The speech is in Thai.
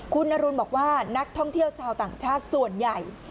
คุณอรุณบอกว่านักท่องเที่ยวชาวต่างชาติส่วนใหญ่